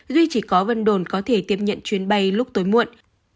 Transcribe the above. duy chỉ có vân đồn có thể tiếp nhận chuyến bay lúc tối muộn